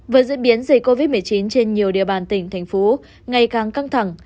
với diễn biến dịch covid một mươi chín trên nhiều địa bàn tỉnh thành phố ngày càng căng thẳng